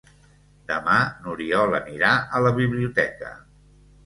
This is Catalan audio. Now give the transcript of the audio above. Demà n'Oriol anirà a la biblioteca.